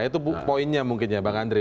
itu poinnya mungkin ya bang andre